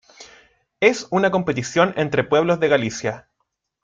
Es una competición entre pueblos de Galicia.